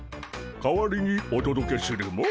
代わりにおとどけするモ。